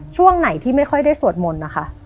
ช่วงไหนที่ไม่ค่อยได้สวดมนต์นะคะ